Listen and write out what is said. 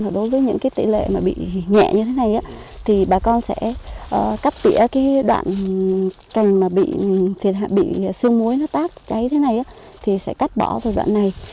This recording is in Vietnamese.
đối với những cái tỷ lệ mà bị nhẹ như thế này thì bà con sẽ cắt tía cái đoạn cần mà bị xương muối nó táp cháy thế này thì sẽ cắt bỏ từ đoạn này